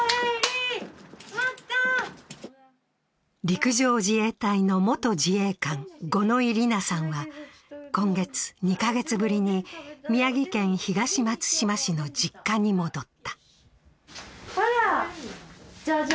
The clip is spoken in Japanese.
陸上自衛隊の元自衛官、五ノ井里奈さんは今月、２か月ぶりに宮城県東松島市の実家に戻った。